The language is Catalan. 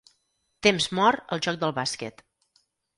Temps mort al joc del bàsquet.